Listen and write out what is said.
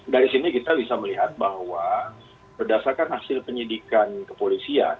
dari sini kita bisa melihat bahwa berdasarkan hasil penyidikan kepolisian